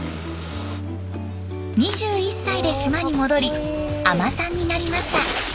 ２１歳で島に戻り海人さんになりました。